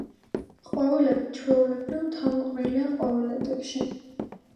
ყვავილები ჩვეულებრივ თავმოყრილია ყვავილედებში.